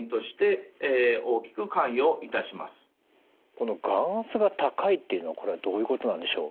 この眼圧が高いっていうのはこれはどういうことなんでしょう？